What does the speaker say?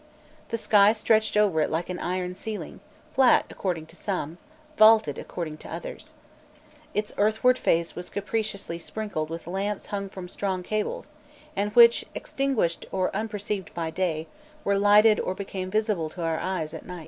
The sky stretched over it like an iron ceiling, flat according to some, vaulted according to others. Its earthward face was capriciously sprinkled with lamps hung from strong cables, and which, extinguished or unperceived by day, were lighted, or became visible to our eyes, at night.